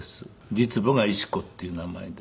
実母が以し子っていう名前で。